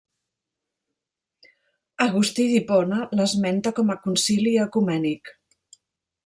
Agustí d'Hipona l'esmenta com a concili ecumènic.